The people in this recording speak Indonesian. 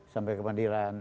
sampai ke mandiran